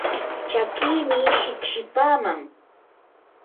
chakiimi shiqshipaaman